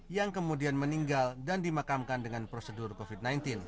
yang kemudian meninggal dan dimakamkan dengan prosedur covid sembilan belas